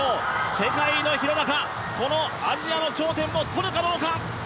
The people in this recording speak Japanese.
世界の廣中、このアジアの頂点をとるかどうか。